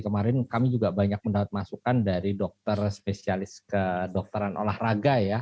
kemarin kami juga banyak mendapat masukan dari dokter spesialis kedokteran olahraga ya